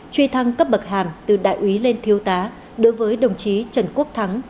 truy thăng cấp bậc hàm từ đại úy lên thiếu tá đối với đồng chí trần quốc thắng